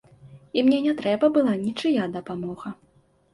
І мне не трэба была нічыя дапамога.